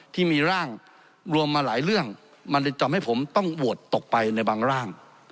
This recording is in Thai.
ที่มีร่างรวมมาหลายเรื่องมันจะทำให้ผมต้องโหวตตกไปในบางร่าง